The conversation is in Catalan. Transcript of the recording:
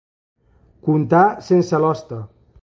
Contar sense l'hoste.